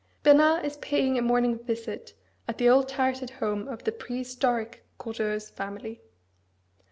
Bernard is paying a morning visit at the old turreted home of the "prehistoric" Courteheuse family.